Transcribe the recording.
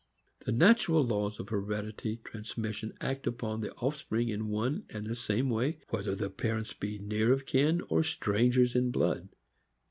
The natural laws of hereditary transmission act upon the offspring in one and the same way whether the parents be near of kin or strangers in blood.